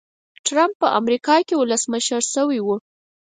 ټرمپ په امریکا کې ولسمشر شوی و.